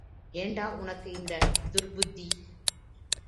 ஏண்டா உனக்கு இந்தத் துர்ப்புத்தி?